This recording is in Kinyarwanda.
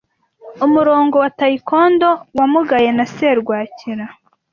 Umurongo wa Tokaido wamugaye na serwakira.